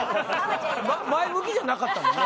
前向きじゃなかったもんね